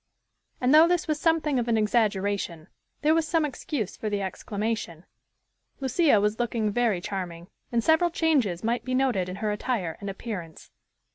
And, though this was something of an exaggeration, there was some excuse for the exclamation. Lucia was looking very charming, and several changes might be noted in her attire and appearance.